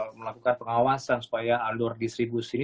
melakukan pengawasan supaya alur distribusi ini